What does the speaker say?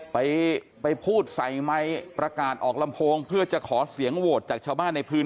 ไปไปพูดใส่ไมค์ประกาศออกลำโพงเพื่อจะขอเสียงโหวตจากชาวบ้านในพื้น